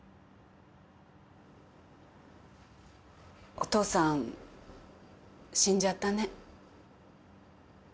お父さん死んじゃったね。